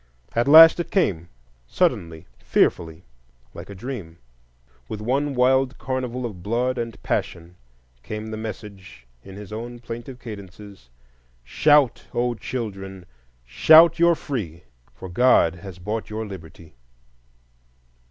At last it came,—suddenly, fearfully, like a dream. With one wild carnival of blood and passion came the message in his own plaintive cadences:— "Shout, O children! Shout, you're free! For God has bought your liberty!"